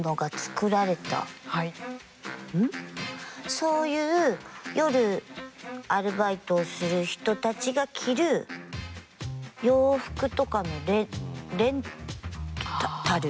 そういう夜アルバイトをする人たちが着る洋服とかのレンタル？とかそういうのかな。